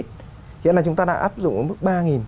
khiến là chúng ta đã áp dụng mức ba